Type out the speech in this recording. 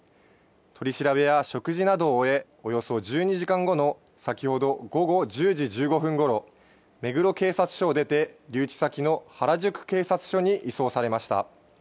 取り調べや食事などを終えおよそ１２時間後の先ほど午後１０時１５分ごろ目黒警察署を出て留置先の原宿警察署に移送されました。